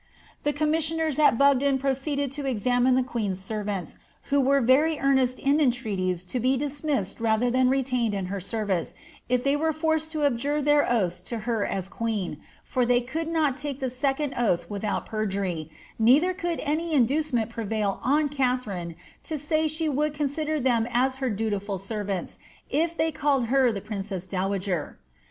The commissioners at Bugden proceeded to examine the queen's ser Tinta, who were very earnest in entreaties to be dismissed rather than retained in her service, if they were forced to abjure their oaths to her II queen ; for they could not take the second oath without perjury, nei ther could any inducement prevail on Katharine to say she should con nder them as her dutiful servants if they called her the princess dow iger.